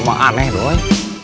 sama aneh doi